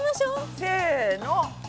せの！